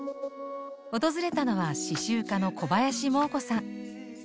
訪れたのは刺しゅう家の小林モー子さん。